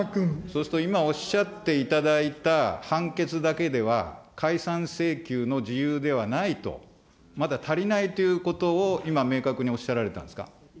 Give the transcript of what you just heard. そうすると、今、おっしゃっていただいた判決だけでは解散請求の事由ではないと、まだ足りないということを今、明確におっしゃられたんですか。